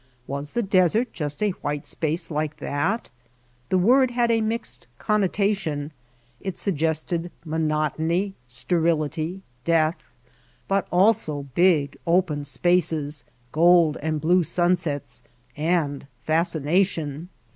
Was the desert just a white space like that? The word had a mixed connotation, it suggested monotony, sterility, death — and also big open spaces, gold and blue sunsets, and fascination.